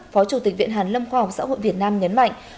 phó chủ tịch viện hàn lâm khoa học xã hội việt nam nhấn mạnh